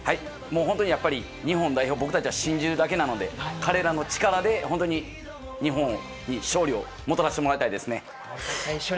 本当に日本代表を僕たちは信じるだけなので彼らの力で本当に日本に勝利をもたらしてもらいたいですね。